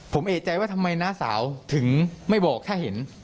ผมเอกใจว่าทำไมน้าสาวถึงไม่บอกแค่เห็น